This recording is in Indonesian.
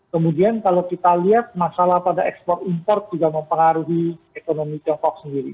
kemudian kalau kita lihat masalah pada ekspor import juga mempengaruhi ekonomi tiongkok sendiri